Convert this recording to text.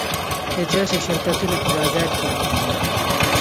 د چرسو شرکتونه په بازار کې دي.